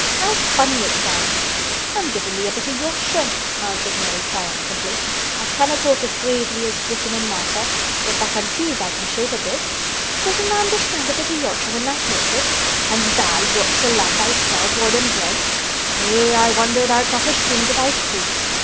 How funny it sounds." "I'm givin' thee a bit o' Yorkshire," answered Mary triumphantly. "I canna' talk as graidely as Dickon an' Martha can but tha' sees I can shape a bit. Doesn't tha' understand a bit o' Yorkshire when tha' hears it? An' tha' a Yorkshire lad thysel' bred an' born! Eh! I wonder tha'rt not ashamed o' thy face."